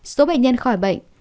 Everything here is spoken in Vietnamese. số bệnh nhân khỏi bệnh